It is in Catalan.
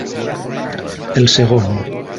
El segon.